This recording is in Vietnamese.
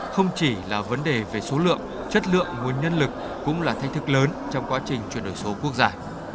không chỉ là vấn đề về số lượng chất lượng nguồn nhân lực cũng là thách thức lớn trong quá trình chuyển đổi số quốc gia